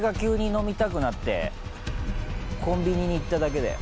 コンビニに行っただけだよ。